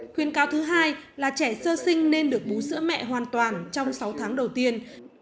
khuyên cáo thứ hai là trẻ sơ sinh nên được bú sữa mẹ hoàn toàn trong sáu tháng đầu tiên